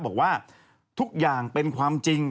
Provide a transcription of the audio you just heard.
บอกว่าทุกอย่างเป็นความจริง